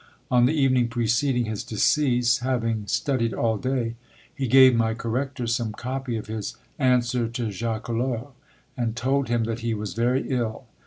"On the evening preceding his decease, having studied all day, he gave my corrector some copy of his 'Answer to Jacquelot,' and told him that he was very ill.